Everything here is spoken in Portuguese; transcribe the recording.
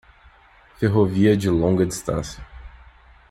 Ferrovia de longa distância